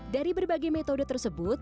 dari berbagai metode tersebut